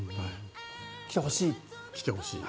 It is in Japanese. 来てほしいと。